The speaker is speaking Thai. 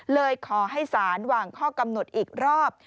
เลยขอให้สารวางข้อกำหนดอีกรอบ